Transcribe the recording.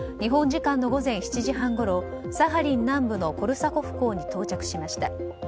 時間の午前７時半ごろサハリン南部のコルサコフ港に到着しました。